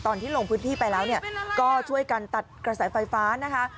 ตอนที่ลงพื้นที่ไปแล้วเนี่ยก็ช่วยกันตัดกระแสไฟฟ้านะคะ